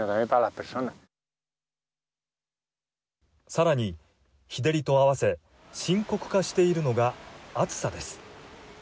さらに日照りとあわせ深刻化しているのが暑さです。